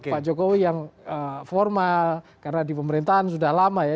pak jokowi yang formal karena di pemerintahan sudah lama ya